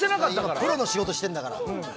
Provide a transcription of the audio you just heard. プロの仕事してるんだから。